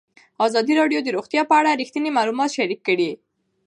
ازادي راډیو د روغتیا په اړه رښتیني معلومات شریک کړي.